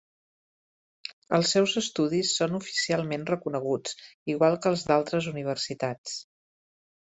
Els seus estudis són oficialment reconeguts, igual que els d'altres universitats.